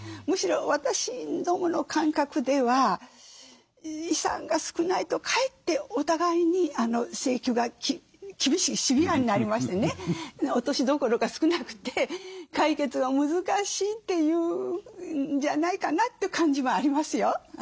むしろ私どもの感覚では遺産が少ないとかえってお互いに請求が厳しいシビアになりましてね落としどころが少なくて解決が難しいというんじゃないかなという感じはありますよ。